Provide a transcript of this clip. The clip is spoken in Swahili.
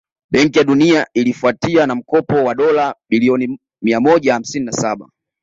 Benki ya Dunia ilifuatia na mkopo wa dola milioni miamoja hamsini na Saba